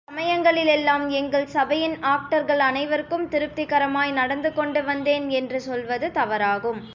இச் சமயங்களிலெல்லாம், எங்கள் சபையின் ஆக்டர்கள் அனைவருக்கும் திருப்திகரமாய் நடந்துகொண்டு வந்தேன் என்று சொல்வது தவறாகும்.